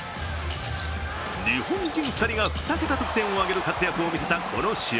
日本人２人が２桁得点を挙げる活躍を見せたこの試合。